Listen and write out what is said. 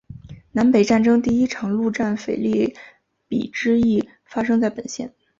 南北战争第一场陆战腓立比之役发生在本县。